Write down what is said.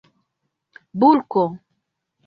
bulko